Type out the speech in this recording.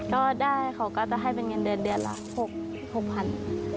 ก็ได้เขาก็จะใจเป็นเงินเดือนหรอ๖ค่อน